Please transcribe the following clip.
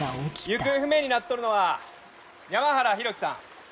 行方不明になっとるのは山原浩喜さん３７歳。